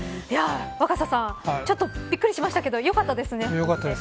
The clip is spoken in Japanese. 若狭さん、ちょっとびっくりしましたけどよかったです。